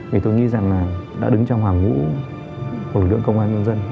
thì tôi nghĩ rằng là đã đứng trong hàng ngũ của lực lượng công an nhân dân